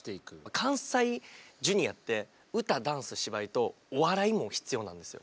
関西ジュニアって歌ダンス芝居とお笑いも必要なんですよ。